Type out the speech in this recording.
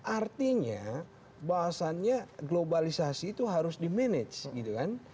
artinya bahasannya globalisasi itu harus di manage gitu kan